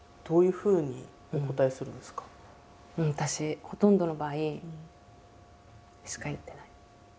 私ほとんどの場合「うん」しか言ってない。